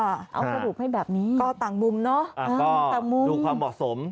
เอาสรุปให้แบบนี้ต่างมุมเนอะต่างมุมค่ะดูความเหมาะสม